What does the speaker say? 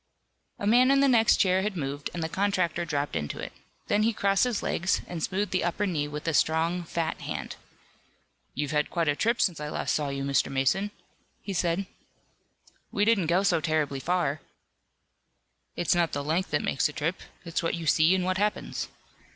A man in the next chair had moved and the contractor dropped into it. Then he crossed his legs, and smoothed the upper knee with a strong, fat hand. "You've had quite a trip since I last saw you, Mr. Mason," he said. "We didn't go so terribly far." "It's not length that makes a trip. It's what you see and what happens."